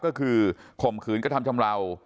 ก็คือข่มขืนกระทำชำราว